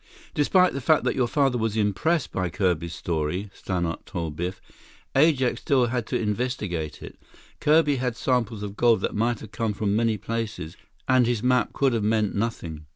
"Despite the fact that your father was impressed by Kirby's story," Stannart told Biff, "Ajax still had to investigate it. Kirby had samples of gold that might have come from many places, and his map could have meant nothing.